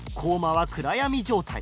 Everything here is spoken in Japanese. は暗闇状態。